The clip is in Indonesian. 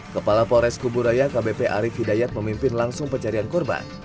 kepala polres kuburaya kbp arief hidayat memimpin langsung pencarian korban